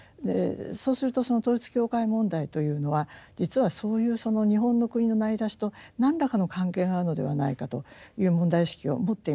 そうするとその統一教会問題というのは実はそういうその日本の国の成り立ちと何らかの関係があるのではないかという問題意識を持っています。